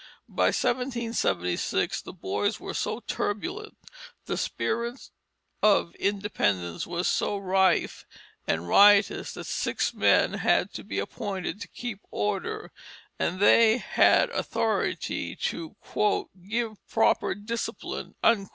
By 1776 the boys were so turbulent, the spirit of independence was so rife and riotous, that six men had to be appointed to keep order, and they had authority to "give proper discipline" if necessary.